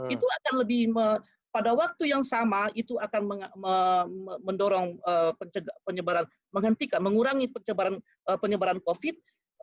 itu akan lebih pada waktu yang sama itu akan mendorong penyebaran menghentikan mengurangi penyebaran covid